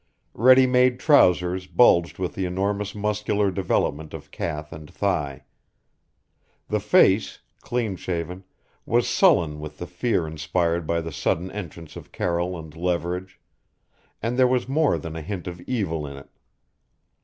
Ready made trousers bulged with the enormous muscular development of calf and thigh. The face, clean shaven, was sullen with the fear inspired by the sudden entrance of Carroll and Leverage; and there was more than a hint of evil in it.